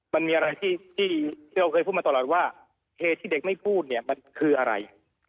มันมีอะไรที่เราเคยพูดมาตลอดว่าเหตุที่เด็กไม่พูดเนี่ยมันคืออะไร